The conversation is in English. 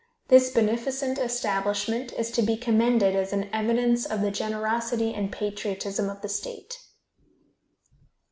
This beneficent establishment is to be commended as an evidence of the generosity and patriotism of the state.